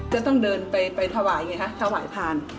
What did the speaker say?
จะต้องเดินไปถวายอย่างนี้ครับถวายพาน